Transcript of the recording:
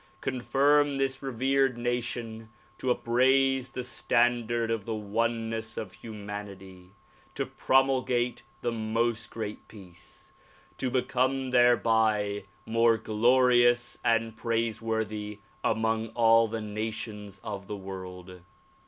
Confirm this revered nation to upraise the standard of the oneness of humanity, to promulgate the "Most Great Peace," to become thereby most glorious and praiseworthy among all the nations of the world.